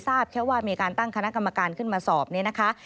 ทราบแค่ว่ามีการตั้งคณะกรรมการขึ้นมาสอบเนี่ยนะคะ